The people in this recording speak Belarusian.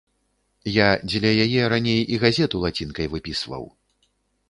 Я дзеля яе раней і газету лацінкай выпісваў.